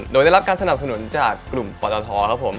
โดยได้รับการสนับสนุนจากกลุ่มปตทครับผม